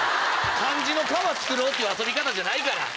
漢字の「川」作ろうって遊び方じゃないから。